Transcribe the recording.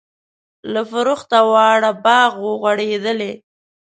له فرحته واړه باغ و غوړیدلی.